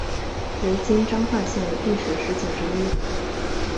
为今彰化县历史十景之一。